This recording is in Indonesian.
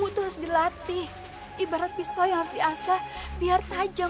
aku kan k pottery anakmu aku memiliki arahnya